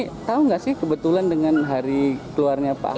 oh gitu ini tau gak sih kebetulan dengan hari keluarnya pak ahok